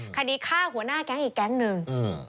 คดีฆ่าหัวหน้าแก๊งอีกแก๊งหนึ่ง